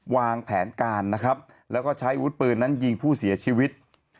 วางแผนการนะครับแล้วก็ใช้อาวุธปืนนั้นยิงผู้เสียชีวิต